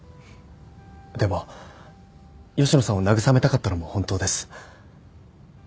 でも吉野さんを慰めたかったのも本当です。